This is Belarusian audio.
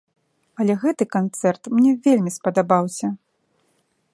Але гэты канцэрт мне вельмі спадабаўся.